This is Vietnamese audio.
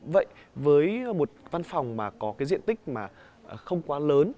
vậy với một văn phòng mà có cái diện tích mà không quá lớn